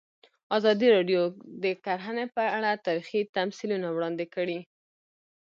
ازادي راډیو د کرهنه په اړه تاریخي تمثیلونه وړاندې کړي.